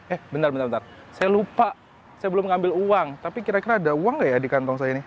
eh eh eh bentar bentar saya lupa saya belum ambil uang tapi kira kira ada uang nggak ya di kantong saya ini